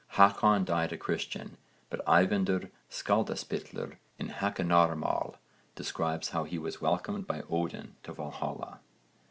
Hákon died a Christian but Eyvindr Skaldaspillir in Hákonarmál describes how he was welcomed by Odin to Valhalla.